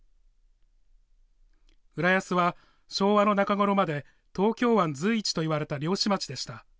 浦安は、昭和の中頃まで東京湾随一といわれた漁師町でした。